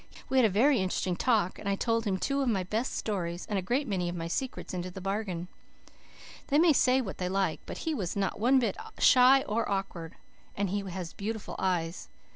We had a very interesting talk, and I told him two of my best stories, and a great many of my secrets into the bargain. They may say what they like, but he was not one bit shy or awkward, and he has beautiful eyes.